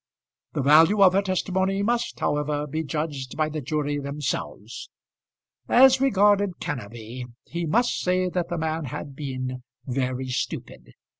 The value of her testimony must, however, be judged by the jury themselves. As regarded Kenneby, he must say that the man had been very stupid.